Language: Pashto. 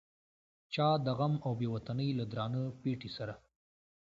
چا د غم او بې وطنۍ له درانه پیټي سره.